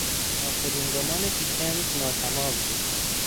آخرین رمان دیکنز ناتمام بود.